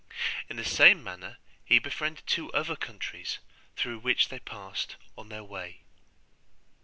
In the same manner he befriended two other countries through which they passed on their way.